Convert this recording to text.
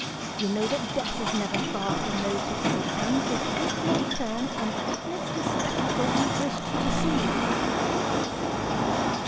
You know that Death is never far from those who seek him, so take your turn and witness the spectacle you wished to see!"